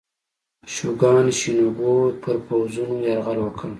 شوګان شینوبو پر پوځونو یرغل وکړ.